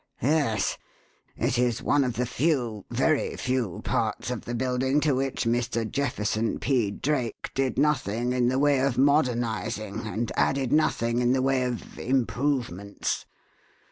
"Yes. It is one of the few, very few, parts of the building to which Mr. Jefferson P. Drake did nothing in the way of modernizing, and added nothing in the way of 'improvements.'